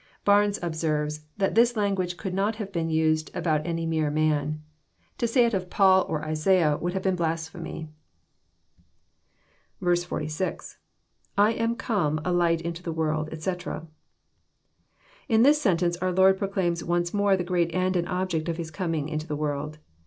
Barnes observes, that this language could not have been used about any mere man. To say it of Paul or Isaiah would have been blasphemy. 46. — II am come a light into the world, etc,"] In this sentence our Lord proclaims once more the great end and object of His com ing into the world.